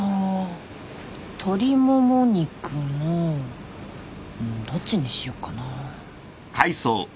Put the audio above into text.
鶏もも肉のどっちにしよっかな。